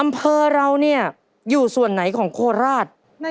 อำเภอเราเนี่ยอยู่ส่วนไหนของโคราช